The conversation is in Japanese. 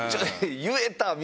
言えた！